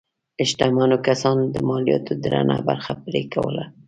شتمنو کسانو د مالیاتو درنه برخه پرې کوله.